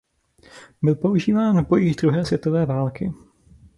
Byl používán v bojích druhé světové války.